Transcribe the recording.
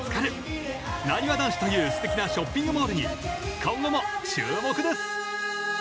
なにわ男子というすてきなショッピングモールに今後も注目です